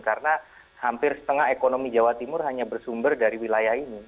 karena hampir setengah ekonomi jawa timur hanya bersumber dari wilayah ini